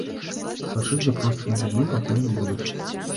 Сачыць за простымі людзьмі пакуль не будуць.